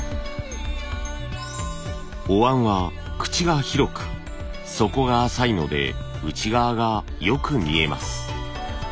お椀は口が広く底が浅いので内側がよく見えます。